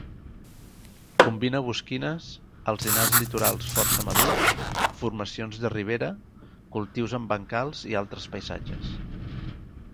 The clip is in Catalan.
Combina bosquines, alzinars litorals força madurs, formacions de ribera, cultius en bancals i altres paisatges.